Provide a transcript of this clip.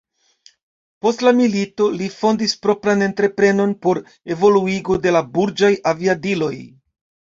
Post la milito, li fondis propran entreprenon por evoluigo de la burĝaj aviadiloj.